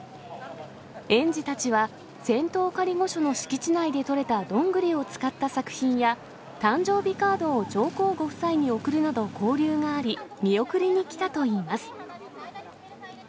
園児たちは、仙洞仮御所の敷地内で採れたドングリを使った作品や、誕生日カードを上皇ご夫妻に贈るなど交流があり、見送りに来たといいます。